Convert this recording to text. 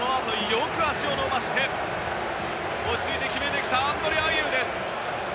よく足を伸ばして落ち着いて決めたアンドレ・アイェウです。